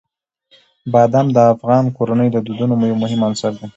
بادام د افغان کورنیو د دودونو یو مهم عنصر دی.